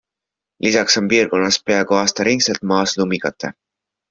Lisaks on piirkonnas peaaegu aastaringselt maas lumikate.